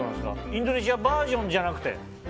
インドネシアバージョンじゃなくて？